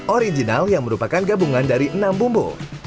original yang merupakan gabungan dari enam bumbu